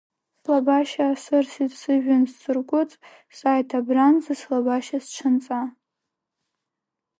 Слабашьа асырсит сыжәҩан ҵсыргәарц, сааит абранӡа слабашьа сҽанҵа!